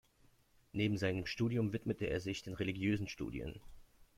Neben seinem Studium widmete er sich den religiösen Studien.